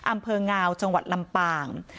อำเภองาวจังหวัดลำปาง